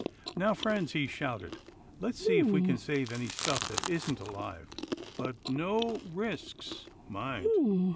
" Now, friends," he shouted, " let's see if we can save any stuff that isn't alive — but no risks, mind."